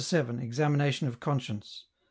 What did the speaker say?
Examination of Conscience. 7.